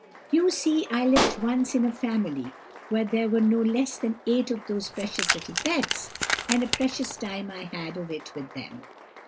You see, I lived once in a family where there were no less than eight of those precious little pets, and a precious time I had of it with them.